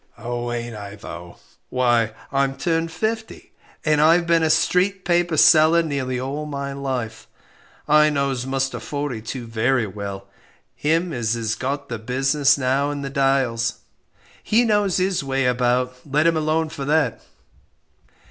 Oh, ain't I though; why I'm turned fifty, and I've been a 'street paper' seller nearly all my life. I knows Muster Fortey too very well; him as is got the business now in the Dials he knows his way about, let him alone for that."